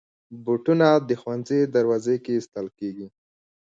بوټونه د ښوونځي دروازې کې ایستل کېږي.